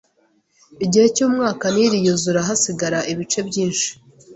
igihe cy'umwaka Nili yuzura hasigara ibice byinshi